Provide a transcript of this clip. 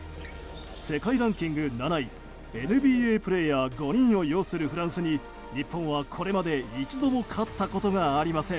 世界ランキング７位ＮＢＡプレーヤー５人を擁するフランスに日本はこれまで一度も勝ったことがありません。